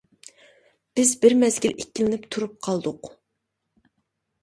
بىز بىر مەزگىل ئىككىلىنىپ تۇرۇپ قالدۇق.